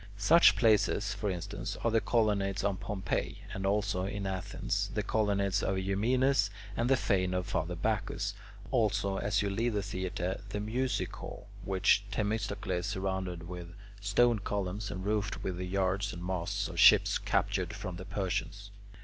Such places, for instance, are the colonnades of Pompey, and also, in Athens, the colonnades of Eumenes and the fane of Father Bacchus; also, as you leave the theatre, the music hall which Themistocles surrounded with stone columns, and roofed with the yards and masts of ships captured from the Persians.